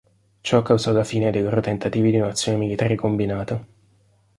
Ciò causò la fine dei loro tentativi di un'azione militare combinata.